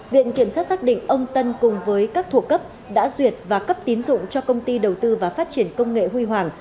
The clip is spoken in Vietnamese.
viện kiểm sát xác định ông tân cùng với các thuộc cấp đã duyệt và cấp tín dụng cho công ty đầu tư và phát triển công nghệ huy hoàng